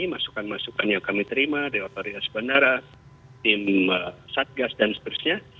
masukan masukan yang kami terima dari otoritas bandara tim satgas dan seterusnya